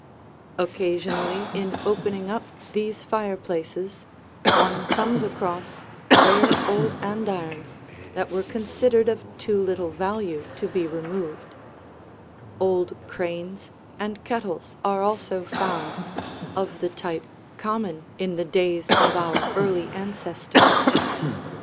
Occasionally in opening up these fireplaces, one comes across rare old andirons that were considered of too little value to be removed; old cranes and kettles are also found, of the type common in the days of our early ancestors.